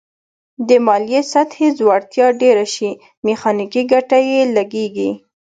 د مایلې سطحې ځوړتیا ډیره شي میخانیکي ګټه یې لږیږي.